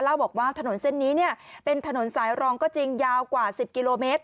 บอกว่าถนนเส้นนี้เนี่ยเป็นถนนสายรองก็จริงยาวกว่า๑๐กิโลเมตร